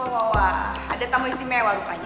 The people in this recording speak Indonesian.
wah wah wah ada tamu istimewa rupanya